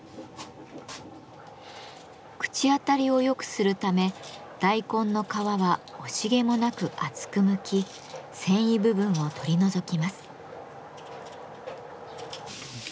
口当たりをよくするため大根の皮は惜しげもなく厚くむき繊維部分を取り除きます。